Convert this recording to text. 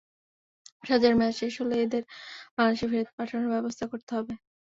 সাজার মেয়াদ শেষ হলে এঁদের বাংলাদেশে ফেরত পাঠানোর ব্যবস্থা করা হবে।